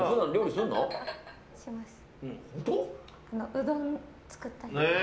うどん作ったり。